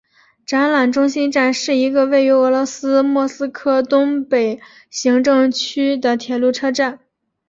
展览中心站是一个位于俄罗斯莫斯科东北行政区的铁路车站。